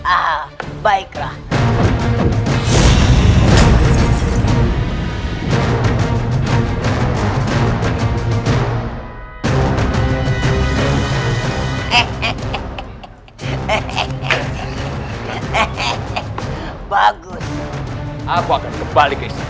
apakah ini jurus baru miliknya